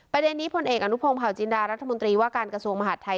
ประเด็นนี้พลเอกอนุพงศาวจินดารัฐมนตรีว่าการกระทรวงมหาดไทย